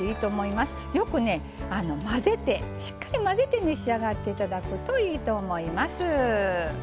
よくね混ぜてしっかり混ぜて召し上がって頂くといいと思います。